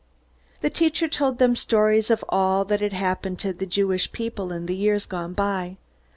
The teacher told them stories of all that had happened to the Jewish people in the years gone by.